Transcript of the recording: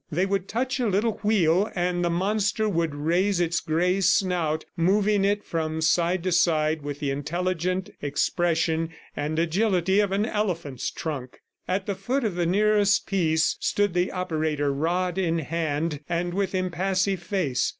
They would touch a little wheel and the monster would raise its grey snout, moving it from side to side with the intelligent expression and agility of an elephant's trunk. At the foot of the nearest piece, stood the operator, rod in hand, and with impassive face.